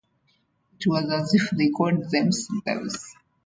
It was as if they called them 'slaves'!